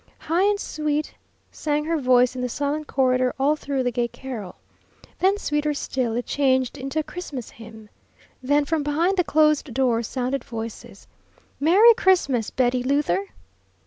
High and sweet sang her voice in the silent corridor all through the gay carol. Then, sweeter still, it changed into a Christmas hymn. Then from behind the closed doors sounded voices: "Merry Christmas, Betty Luther!"